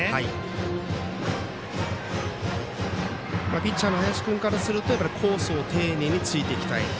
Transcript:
ピッチャーの林君からするとコースを丁寧についていきたい。